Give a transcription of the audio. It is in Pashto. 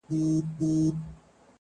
څه به وايي دا مخلوق او عالمونه؟،